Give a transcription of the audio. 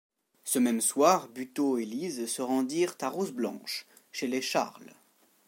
Ce même soir Buteau et Lise se rendirent à Roseblanche, chez les Charles.